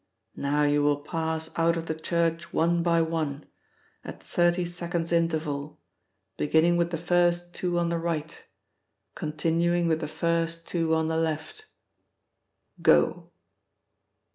Now you will pass out of the church one by one, at thirty seconds interval, beginning with the first two on the right, continuing with the first two on the left. Go!"